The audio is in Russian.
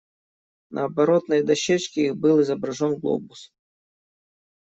На оборотной дощечке их был изображен глобус.